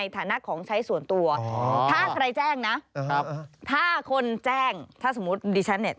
ถ้าคนแจ้งถ้าสมมติดิฉันเนี่ย